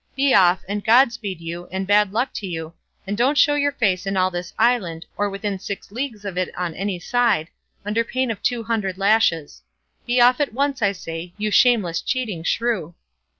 Be off, and God speed you, and bad luck to you, and don't show your face in all this island, or within six leagues of it on any side, under pain of two hundred lashes; be off at once, I say, you shameless, cheating shrew."